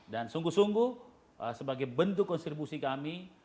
dan sungguh sungguh sebagai bentuk konstribusi kami